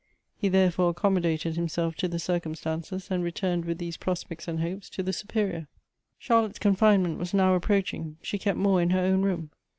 He therefore accommodated himself to the circumstances and returned with these prospects and hopes to the Su perior. Charlotte's confinement was now approaching ; she kept more in her own room.